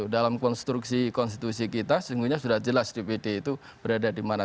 dalam konstruksi konstitusi kita sejujurnya sudah jelas dpd itu berada di mana